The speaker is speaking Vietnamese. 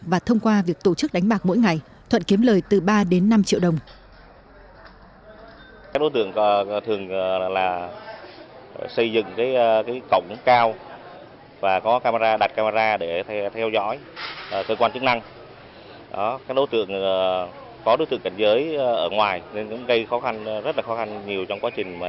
và thông qua việc tổ chức đánh bạc mỗi ngày thuận kiếm lời từ ba đến năm triệu đồng